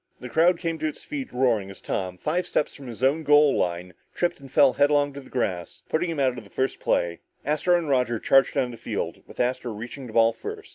The crowd came to its feet, roaring, as Tom, five steps from his own goal line, tripped and fell headlong to the grass, putting him out of the first play. Astro and Roger charged down the field, with Astro reaching the ball first.